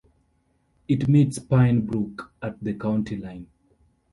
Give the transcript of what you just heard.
It meets Pine Brook at the county line.